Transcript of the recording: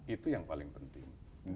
itu yang paling penting